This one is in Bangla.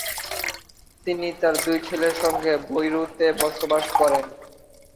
তিনি তার দুই ছেলের সঙ্গে বৈরুতে বসবাস করেন।